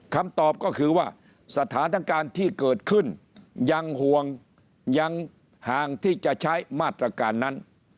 คำตอบก็คือว่าสถานการณ์ที่เกิดขึ้นยังห่วงยังห่างที่จะใช้มาตรการนั้น